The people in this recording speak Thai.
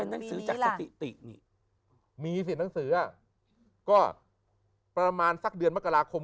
หนังสือจากสถิตินี่มีสิหนังสือก็ประมาณสักเดือนมกราคม